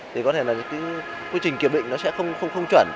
thì có thể là những quy trình kiểm định sẽ không chuẩn